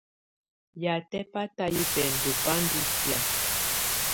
Yatɛ batayɛ bɛndɔ bá ndɔ́ kɛ̀á.